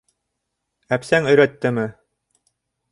Әпсәң өйрәттеме?